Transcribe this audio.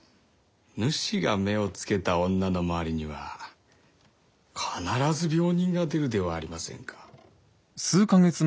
主が目を付けた女の周りには必ず病人が出るではありませんか。